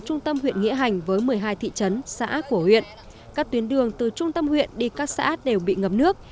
trung tâm huyện nghĩa hành với một mươi hai thị trấn xã của huyện các tuyến đường từ trung tâm huyện đi các xã đều bị ngập nước